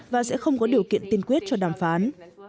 và sẽ không có điều kiện tiên quyết cho đàm phán